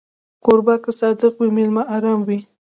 کوربه که صادق وي، مېلمه ارام وي.